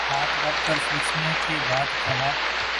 ہاتھ رکھ کر سوچنے کے بعد کہا۔